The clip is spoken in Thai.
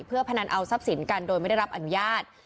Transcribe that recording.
เพื่อพนันเอาทรัพย์สินกันโดยไม่ได้รับอนุญาต